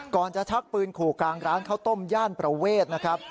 จะชักปืนขู่กลางร้านข้าวต้มย่านประเวทนะครับ